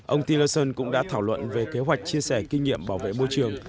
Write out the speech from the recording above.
ông tillerson cũng đã thảo luận về kế hoạch chia sẻ kinh nghiệm bảo vệ môi trường